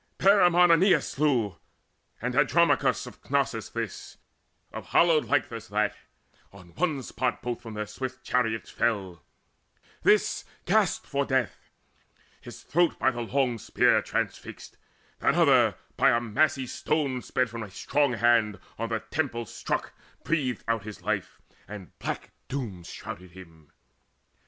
Bremon Aeneas slew, and Andromachus, Of Cnossus this, of hallowed Lyctus that: On one spot both from their swift chariots fell; This gasped for breath, his throat by the long spear Transfixed; that other, by a massy stone, Sped from a strong hand, on the temple struck, Breathed out his life, and black doom shrouded him.